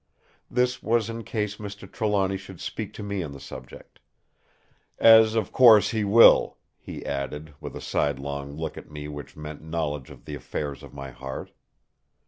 This was in case Mr. Trelawny should speak to me on the subject; "as, of course, he will," he added, with a sidelong look at me which meant knowledge of the affairs of my heart.